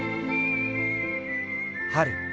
春。